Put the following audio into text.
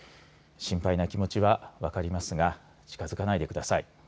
心配な気持ちは分かりますが近づかないでください。